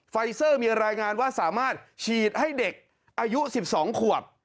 ไฟเซอร์มีรายงานว่าสามารถฉีดให้เด็กอายุ๑๒ขวบ